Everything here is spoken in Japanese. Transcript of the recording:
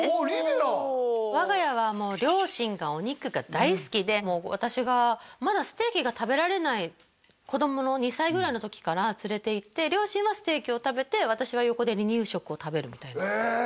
我が家はもう両親がお肉が大好きでもう私がまだステーキが食べられない子供の２歳ぐらいの時から連れていって両親はステーキを食べて私は横で離乳食を食べるみたいなへえ